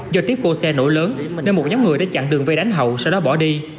do tiếp vô xe nổi lớn nên một nhóm người đã chặn đường về đánh hậu sau đó bỏ đi